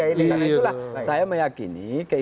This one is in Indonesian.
itulah saya meyakinkan